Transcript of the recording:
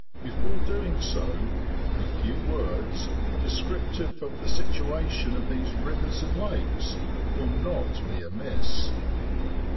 Before doing so, a few words, descriptive of the situation of these rivers and lakes, will not be amiss.